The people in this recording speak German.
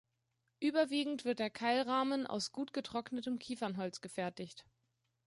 Überwiegend wird der Keilrahmen aus gut getrocknetem Kiefernholz gefertigt.